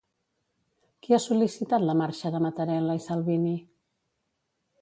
Qui ha sol·licitat la marxa de Matarella i Salvini?